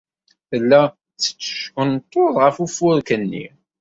Tella tetteckunṭuḍ ɣer ufurk-nni.